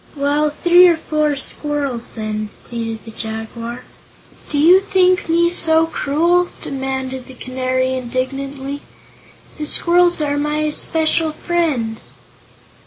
"Well, three or four squirrels, then," pleaded the Jaguar. "Do you think me so cruel?" demanded the Canary, indignantly. "The squirrels are my especial friends."